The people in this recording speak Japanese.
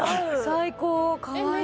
最高かわいい！